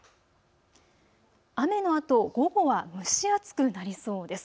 雨のあと午後は蒸し暑くなりそうです。